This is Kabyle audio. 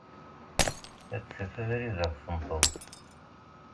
Ad d-taf abrid ad ɣ-tenṭeḍ.